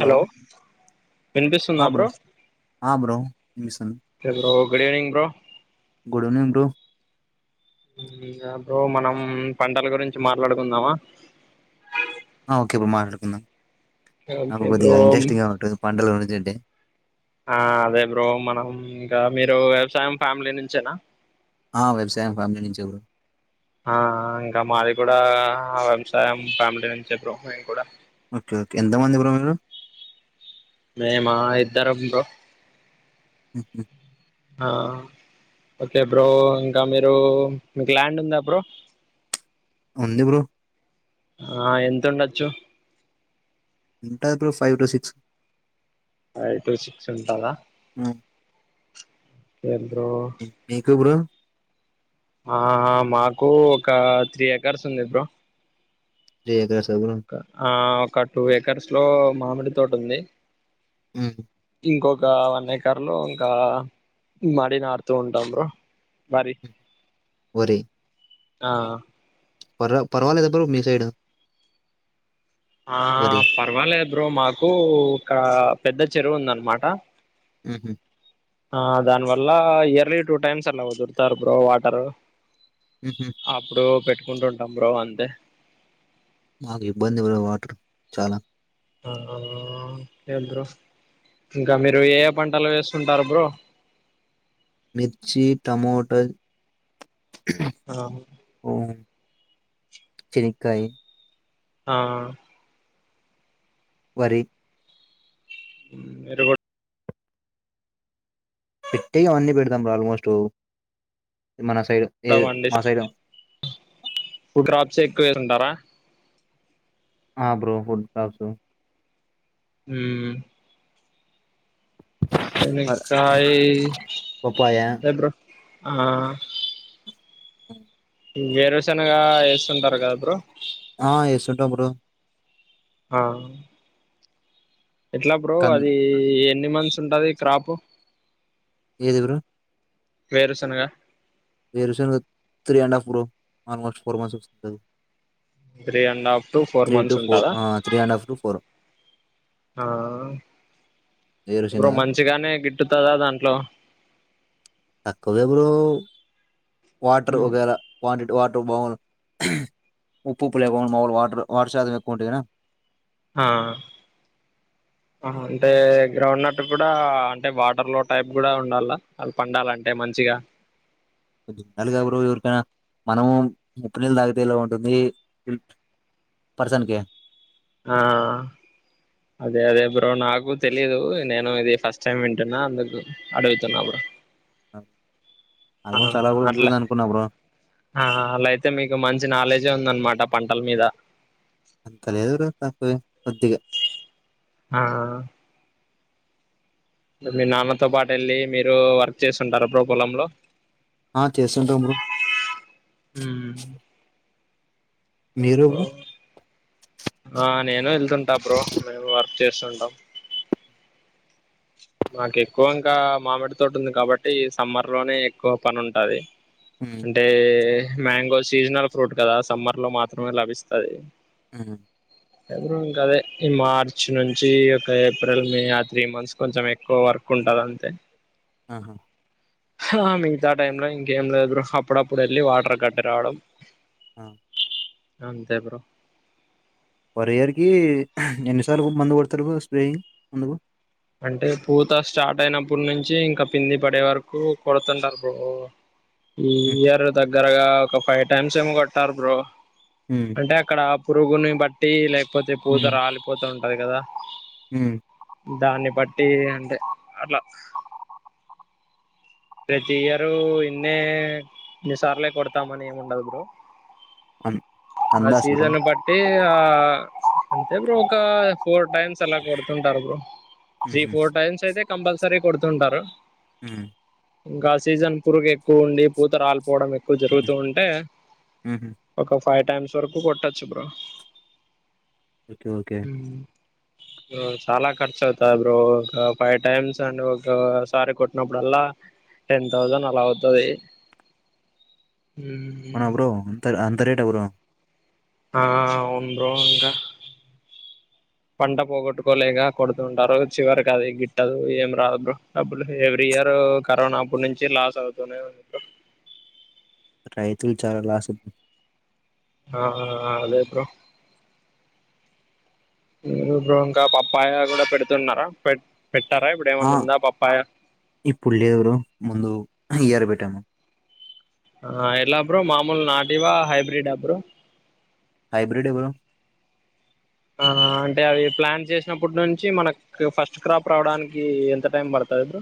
Hello ఆ bro ఆ bro ఎనిపిస్తది bro good evening bro good evening bro ఇగా బ్రో మనం పంటల గురించి మాట్లాడుకుందామా అ ఓకే బ్రో మాట్లాడుకుందాం ఓకే నాకు బ్రో కొద్దిగా ఇంట్రెస్టింగ్ ఉంటది పంటలు గురుంచి వింటే ఆ అదే బ్రో మనం ఇంకా మీరు వ్యవసాయం ఫ్యామిలీ నుంచేనా ఆ వ్యవసాయం ఫ్యామిలీ నుంచే బ్రో ఆ ఇంకా మాది కూడా వ్యవసాయం ఫ్యామిలీ నుంచే బ్రో మేము కూడా ఓకే ఓకే ఎంత మంది బ్రో మీరు మేమా ఇద్దరం బ్రో హు హు ఆ ఓకే బ్రో ఇంకా మీరు మీకు ల్యాండ్ ఉందా బ్రో ఉంది బ్రో ఆ ఎంతుండొచ్చు ఉంటది bro five two six five two six ఉంటదా మ్మ్. బ్రో మీకు బ్రో ఆ మాకు ఒక త్రీ ఎకర్స్ ఉంది బ్రో త్రీ ఎకర్స్ బ్రో ఆ ఒక టూ ఏకర్స్ లో మామిడి తోట ఉంది ఉహు ఇంకొక వన్ ఎకర్లో ఇంకా మడి నాడుతుంటం బ్రో వరి వరి ఆ పర్వ పర్వాలేదు బ్రో మీ సైడ్ ఆ వరి పర్వాలేదు బ్రో మాకు ఇక్కడ పెద్ద చెరువు ఉందనమాట ఉహు ఆ దాని వల్ల ఇయర్లీ టూ టైమ్స్ అలా కొడుతారు బ్రో వాటరు మ్మ్. అప్పుడు పెట్టుకుంటంటాం బ్రో అంతే మాకు ఇబ్బంది బ్రో వాటర్ చాలా ఆ కే బ్రో ఇంకా మీరు ఏ ఏ పంటలు వేస్తుంటారు బ్రో మిర్చి టమోట ఆ చెనకాయ ఆ వరి మీర్ కూ పెట్టేగా అవన్నీ పెడుతాం బ్రో ఆల్మోస్ట్ మన సైడ్ కూడా ఏద్ పండి మా సైడు చెక్ వేరుంటారా ఆ బ్రో ఫుడ్ దస్ ఉమ్ చెనాకయి పప్పాయ అంతే బ్రో ఆ వేరుశనగా వేస్తుంటారు గా బ్రో తింటా బ్రో అ ఎట్లా బ్రో కన్ అది ఎన్ని మంత్స్ ఉంటది క్రాప్ ఏది బ్రో వేరుశనగ వేరుశనగ three and half bro almost four months వస్తది three and half to four months ఉంటదా ఆ three and half to four ఆ బ్రో వేరుశనగ మంచిగానే గిట్టుతదా దాంట్లో తక్కువే బ్రో వాటర్ ఒకవేళ క్వాంటి వాటర్ బగుండు ఉప్పు ఉప్పు లేకుండ మాములు వాటర్ వాటర్ శాతం ఎక్కువ ఉంటేగిన ఆ ఆహా అంటే గ్రౌండ్న్నట్టు గుడా అంటే వాటర్ లో టైప్ గుడా ఉండాల అవ్ పండాలంటే మంచిగా కొంచం ఉండాలిగా బ్రో ఎవరికైనా మనము ఉప్పు నీళ్లు తాగితే ఎలా ఉంటుంది ల్ పర్సన్ కి ఆ అదే అదే బ్రో నాకు తెలీయదు నేను ఇది ఫస్ట్ టైం వింటున్నా అందుకు అడుగుతున్నా బ్రో అ ఆహా అట్లా అహా అలా అయితే మీకు మంచి నాలెడ్జే ఉందనమ ట పంటల్ మీద అంతలేదు బ్రో తకువే కొద్దిగా ఆ మీ నాన్నతో పాటేళ్ళి మీరు వర్క్ చేస్తుంటార బ్రో పోలంలో ఆ చేస్తుంటాన్ బ్రో మీరు ఒ బ్రో ఆ నేను వెళ్తుంటా బ్రో నేను వర్క్ చేస్తుంటా మాకు ఎక్కువ ఇంకా మామిడి తోటి ఉంది కాబట్టి సమ్మర్ లోనే ఎక్కువ పనుంటది ఉమ్, అంటే మ్యాంగో సీజనల్ ఫ్రూట్ కదా సమ్మర్ లో మాత్రమే లభిస్తది మ్ బ్రో ఇంకా అదే ఈ మార్చ్ నుంచి ఒక ఏప్రిల్ మే ఆ త్రీ మంత్స్ కొంచమే ఎక్కువ వర్క్ ఉంటదంతే అహా హ మిగతా టైం లో ఇంకేం లేద్ బ్రో అప్పుడప్పుడు వెళ్ళి వాటర్ కట్టి రావడం అ అంతే బ్రో పర్ ఇయర్ కి ఎన్నిసార్లు మందు కోడుతారు బ్రో స్ప్రేయింగ్ ముందుకు అంటే పూత స్టార్ట్ అయినప్పుడు నుంచి ఇంకా కింద పింది వరకు కొడుతుంటార్ బ్రో ఈ ఇయర్ దగ్గరగా ఒక ఫైవ్ టైమ్స్ ఏమొ కొట్టారు బ్రో అంటే అక్కడ పురుగుని బట్టి లేకపోతే పూత రాలిపోత ఉంటది గదా మ్ దాన్ని బట్టి అంటే అట్లా ప్రతి ఇయర్ ఇన్నే నిసార్లే కొడతామని ఏముండదు బ్రో అన్ ఆ అందాస్ బ్రో సీజన్ బట్టి అ అంతే బ్రో ఒక ఫోర్ టైమ్స్ అలా కొడుతుంటారు బ్రో త్రి హుహు. ఫోర్ టైమ్స్ అయితే కంపల్సరీ కొడుతుంటారు మ్ గ సీజన్ పురుగు ఎక్కువుండి పోతరల్ పోవడం ఎక్కువ హ్మ్. జరుగుతూ ఉంటే హుహు. ఒక ఫో ఫైవ్ టైమ్స్ వరకు కొట్టోచ్చు బ్రో ఓకే ఓకే చాలా ఖర్చు అవుతా బ్రో ఒక ఫైవ్ టైమ్స్ అండ్ ఒకసారి కొట్నాపుడల్ల టెన్ థౌసండ్ అలా అవుతది ఉం అవునా బ్రో అంత అంత రేట్ బ్రో ఆ అవును బ్రో ఇంకా పంట పోగొట్టుకోలేక కొడుతుంటారు చివరికి అది గిట్టదు ఏం రాదు బ్రో డబ్బులు ఎవ్రీ ఇయర్ రు కరోనా అప్పుటి నుంచి లాస్ అవుతూనే ఉంది బ్రో రైతులు చాలా లాస్ ఆహా అదే బ్రో లేదు బ్రో ఇంకా పప్పాయ గూడా పెడుతున్నారా పె పెట్టారా ఇప్పుడు ఆ ఏమన్నా ఉందా పప్పాయ ఇప్పుడు లేదు బ్రో ముందు ఇయర్ పెట్టాము ఆ ఎలా బ్రో మామూలు నాటివా హైబ్రిడ్ అ బ్రో హైబ్రిడ్ ఏ బ్రో ఆ అంటే అవి ప్లాన్ చేసినప్పటి నుంచి మనకు ఫస్ట్ క్రాప్ రావడానికి ఎంత టైం పడ తది బ్రో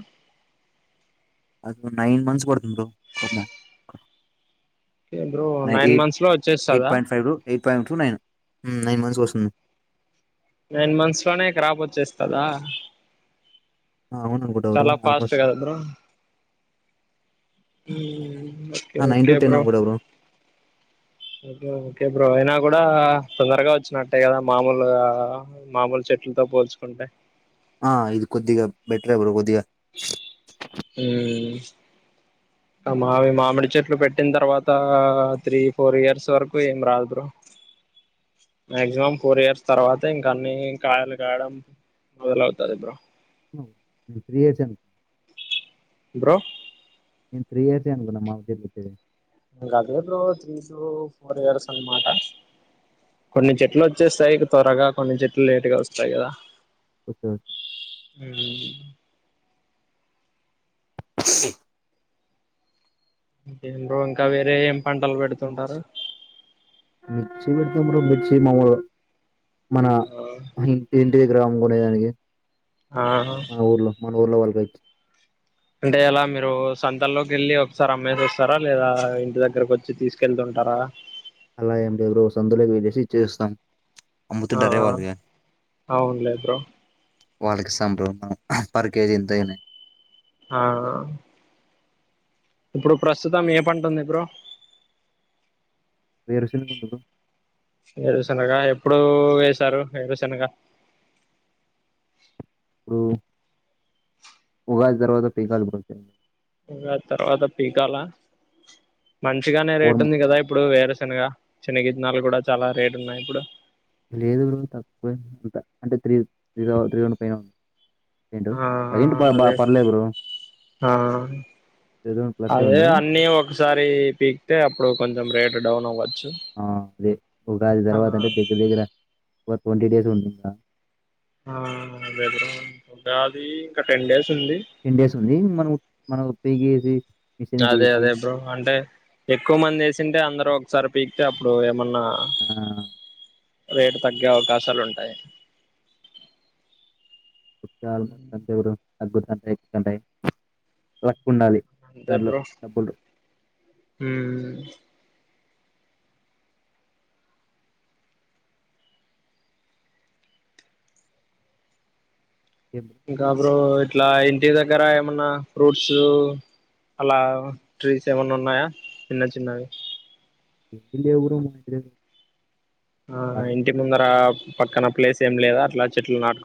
అ నైన్ మంత్స్ పడుతుంది bro okay bro nine eight months లో ఎయిట్ వచ్చేస్తదా point five to eight pot నై తూ సం నైన్ మంత్స్ లోనే క్రాప్ వచ్చేస్తదా అవును అనుకుంటా బ్రో చాలా ఫాస్ట్ ఆల్మోస్ట్ కదా బ్రో ఉం okay nine to okay ten bro అనుకుంటా ఓకే ఓకే బ్రో ఐనా కూడా తొందరగా వచ్చినట్టే గదా మామూలుగ మామూలు చెట్లతో పోల్చుకుంటే ఆ ఇది కొద్దిగా బెటరే బ్రో కొద్దిగా ఉమ్ మామి మామిడి చెట్లు పెట్టిన తర్వాత త్రీ ఫోర్ ఇయర్స్ వరకు ఏం రాదు బ్రో మక్సిమం ఫోర్ ఇయర్స్ తర్వాత ఇంకా అన్ని కాయలు కాయడం వీలు ఆవుతాది బ్రో త్రి ఇయర్స్ బ్రో ఉమ్ త్రీ అయితానుగా మా తే ఇక అదే bro three years four years అన్నమాట కొన్ని చెట్లు వచ్చేస్తాయి త్వరగా కొన్ని చెట్లు లేటుగా వస్తాయి గా వచ్చే వచ్చే ఉమ్ ఇంకేం బ్రో ఇంకా వేరే ఏం పంటలు పెడుటారు బ్రో మిర్చి పెడతా బ్రో మిర్చి మాములుగా మన ఏంటి గ్రామం కొనేదానికి ఆ మన ఊర్లో మన ఊర్లో వాళ్ళకి వచ్చి అంటే అలా మీరు సంతాల్లోకి వెళ్ళి ఒకసారి అమ్మేసి వస్తారా లేదా ఇంటి దగ్గరకు వచ్చి తీసుకెళ్తుం టరా అలా ఏమి లేదు బ్రో సంతలోకి వెల్లేసి ఇచ్చేస్తాం ఆ అమ్ముతుంటారే వాళ్ళకి అవున్లే బ్రో వాళ్ళకి సం పర్ అరకేజీ ఎంత అయినాయి హ ఇప్పుడు ప్రస్తుతం ఏం పంట ఉంది బ్రో పెషల్ కుంటది బ్రో ఏడుశనగా ఎప్పుడు వేశారు ఏడుశనగా ఉ ఉగాది తరువాత పీకాలి బ్రో ఉగాది తర్వాత పీకాల మంచిగానే ఫోర్ రేట్ ఉంది కదా ఇప్పుడు వేరే శనగ శెనకయీతనాలు కూడా చాలా రేటు ఉన్నాయి ఇప్పుడు లేదు తక్కువే అంట అంటే త్రి త్రిగ త్రి థౌస్ పైన ఉం తిండూ ఆ ఏంటి ప ప అదే పర్లేదు బ్రో ఆ త్రీ థౌసండ్ ప్లస్ అదే ఉంది అన్నీ ఒకసారి పీకితే అప్పుడు కొంచెం రేట్ డౌన్వచ్చు ఆ అదే ఉగాది తర్వాత అంటే దగ్గర దగ్గర ఒక ట్వంటీ డేస్ ఉంటూదా ఆ అదే అదే ఉగాది ఇంకా టెన్ డేస్ ఉంది టెన్ డేస్ ఉంది మనం మన పీకేసి అదే అదే బ్రో అంటే ఎక్కువ మంది వేసింటే అందరు ఒకసారి పీకితే అప్పుడు ఏమన ఆహ్, రేటు తగ్గే అవకాశాలు ఉంటాయి [unintelligible] ఉండాలి దానిట్లో డబ్బులు ఉ ఏం బ్రో ఇంకా బ్రో ఇట్లా ఇంటి దగ్గర ఏమన్నా ఫ్రూట్స్ అలా ట్రీస్ ఏమన్నా ఉన్నాయా చిన్న చిన్నవి ఏం లేవు బ్రో మా ఇంటి దగ్గర ఆ ఖాళీ. ఇంటి ముందర పక్కన ప్లేస్ ఏం లేదా అట్లా చెట్లు నాటు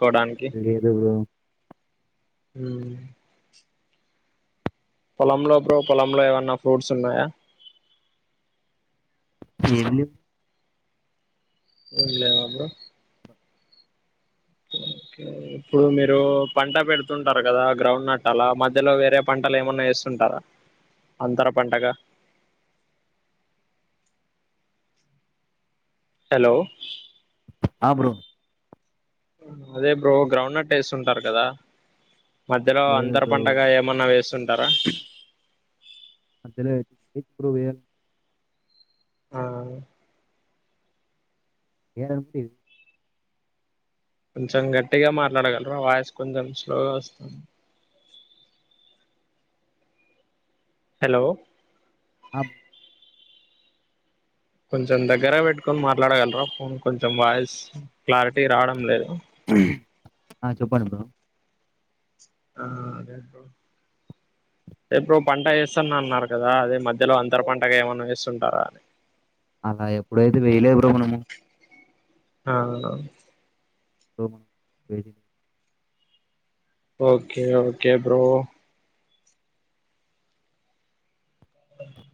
లేదు బ్రో ఉ పొలంలో బ్రో పొలంలో ఏమన్నా ఫ్రూట్స్ ఉన్నాయా ఏం లే ఏం లేవా బ్రో ఇప్పుడు మీరు పంట పెడుతుంటారు కదా గ్రౌండ్ నట్ట అలా మధ్యలో వేరే పంటలు ఏమన్నా ఎస్ స్తుంటారా అంతర్ పంటగ హలో ఆ బ్రో అదే బ్రో గ్రౌండ్ నట్ వేస్తు ఉంటారు కదా మధ్యలో లేదు అంతర్ బ్రో. పంటగా ఏమన్నా వేస్తుంటారా అందులో పు ప్రువల్ ఆ పైనాపిల్ కొంచెం గట్టిగా మాట్లాడగలరా వాయిస్ కొంచెం స్లోగా వస్తుంది హలో ఆబ్ కొంచెం దగ్గర పెట్టుకొని మాట్లాడగలరా ఫోన్ కొంచెం వాయిస్ క్లారిటీ రావడం లేదు ఆ చెప్పండి బ్రో ఆ అదే బ్రో అదే బ్రో పంట వేస్తున్నా అన్నారు కదా అదే మధ్యలో అంతర్ పంట ఏమన్నా వేస్తుంటారా అని అలా ఎప్పుడైతే వేయలే బ్రో మనము అవునవును [unintelligible] ఓకే ఓకే బ్రో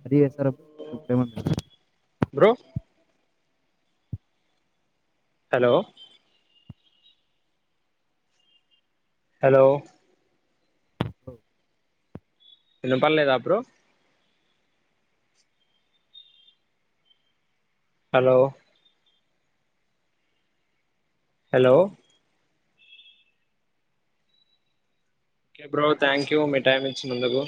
అది చేస్తారా బ్రో [unintelligible] బ్రో హలో హలో హో వినపడలేదా bro hello hello okay bro thank you మీ టైం ఇచ్చినందుకు